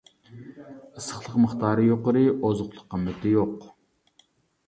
ئىسسىقلىق مىقدارى يۇقىرى، ئوزۇقلۇق قىممىتى يوق.